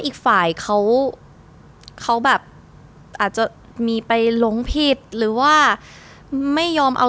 อีกฝ่ายเขาเขาแบบอาจจะมีไปหลงผิดหรือว่าไม่ยอมเอา